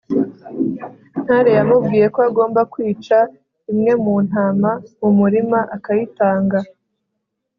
ntare yamubwiye ko agomba kwica imwe mu ntama mu murima akayitanga